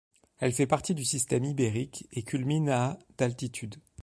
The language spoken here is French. Elle fait partie du Système ibérique et culmine à d'altitude.